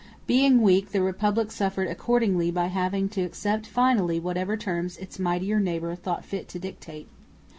Being weak, the Republic suffered accordingly by having to accept finally whatever terms its mightier neighbour thought fit to dictate.